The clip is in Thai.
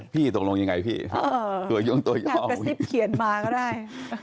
พี่ตกลงยังไงพี่เอ่อเผื่อย่างตัวยอมแบบกระซิบเขียนมาก็ได้